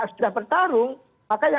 sudah bertarung makanya